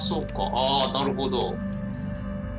あなるほど。